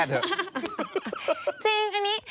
จริงอันนี้